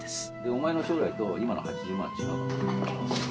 お前の将来と今の８０万は違うから。